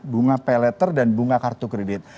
bunga pay letter dan bunga kartu kredit